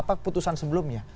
apa keputusan sebelumnya